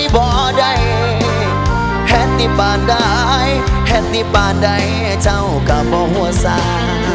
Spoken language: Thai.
บ่ได้เห็นที่บ้านได้เห็นที่บ้านได้เจ้ากะบ่หัวสา